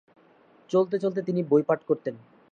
চলতে চলতে তিনি বই পাঠ করতেন।